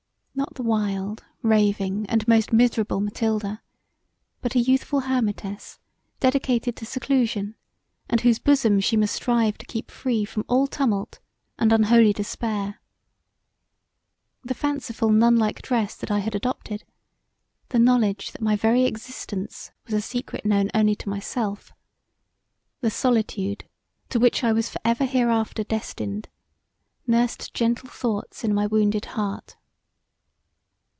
Not the wild, raving & most miserable Mathilda but a youthful Hermitess dedicated to seclusion and whose bosom she must strive to keep free from all tumult and unholy despair The fanciful nunlike dress that I had adopted; the knowledge that my very existence was a secret known only to myself; the solitude to which I was for ever hereafter destined nursed gentle thoughts in my wounded heart.